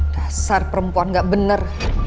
dasar perempuan gak bener